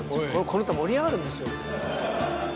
この歌盛り上がるんですよ。